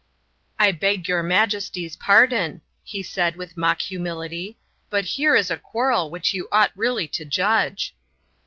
"I beg your Majesty's pardon," he said, with mock humility, "but here is a quarrel which you ought really to judge."